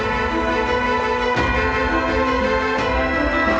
สวัสดีครับสวัสดีครับ